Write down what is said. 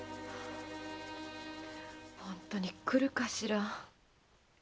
本当に来るかしら。